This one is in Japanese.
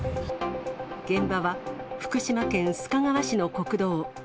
現場は福島県須賀川市の国道。